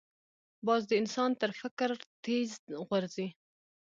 باز د انسان تر فکر تېز غورځي